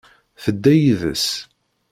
Tedda yid-s.